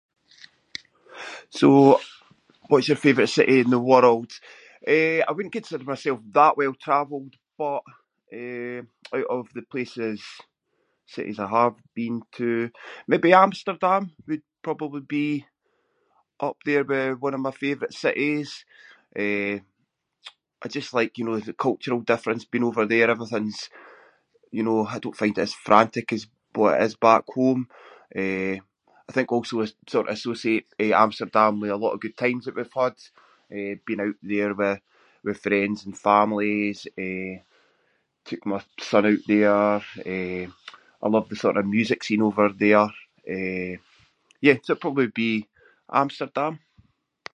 So, what’s your favourite city in the world? Eh, I wouldn’t consider myself that well-travelled but, eh, out of the places- cities I have been to maybe Amsterdam would probably be up there with one of my favourite cities. Eh, I just like, you know, the cultural difference being over there. Everything’s, you know, I don’t find it as frantic as what it is back home. Eh, I think also I sort of associate, eh, Amsterdam with a lot of good times that we’ve had. Eh, been out there with- with friends and families, eh, took my son out there. Eh, I love the sort of music scene over there. Eh, yeah, so it probably would be Amsterdam.